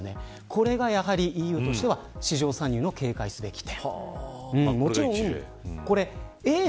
これがやはりＥＵとしては市場参入の警戒すべき点。